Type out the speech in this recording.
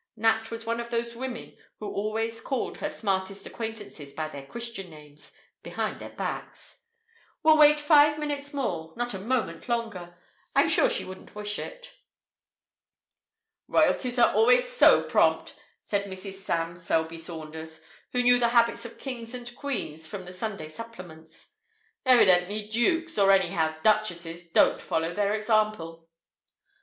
(Nat was one of those women who always called her smartest acquaintances by their Christian names behind their backs.) "We'll wait five minutes more not a moment longer. I'm sure she wouldn't wish it." "Royalties are always so prompt," said Mrs. Sam Selby Saunders, who knew the habits of kings and queens from the Sunday Supplements. "Evidently dukes or anyhow duchesses don't follow their example."